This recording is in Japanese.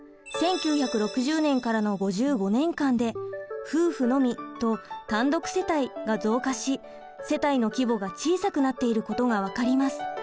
１９６０年からの５５年間で夫婦のみと単独世帯が増加し世帯の規模が小さくなっていることが分かります。